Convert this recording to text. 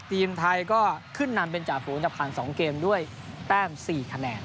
ทีมไทยก็ขึ้นนำเป็นจ่าฝูงแต่ผ่าน๒เกมด้วยแต้ม๔คะแนน